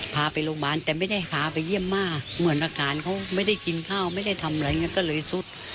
พาไปโรงพยาบาลแต่ไม่ได้หาไปเยี่ยมม่าเหมือนอาการเขาไม่ได้กินข้าวไม่ได้ทำอะไรอย่างนี้ก็เลยสุด